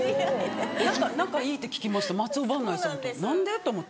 仲いいって聞きました松尾伴内さんと何で？と思って。